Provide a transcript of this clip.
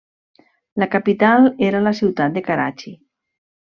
La capital era la ciutat de Karachi.